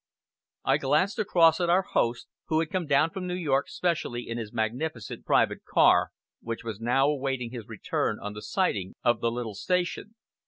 I glanced across at our host, who had come down from New York specially in his magnificent private car, which was now awaiting his return on a siding of the little station.